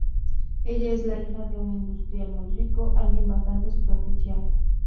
Ella es la hija de un industrial muy rico, alguien bastante superficial.